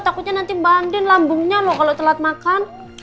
takutnya nanti mbak andin lambungnya loh kalau telat makan